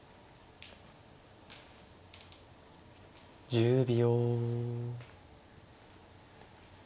１０秒。